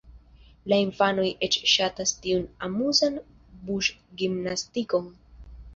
La infanoj eĉ ŝatas tiun amuzan buŝgimnastikon.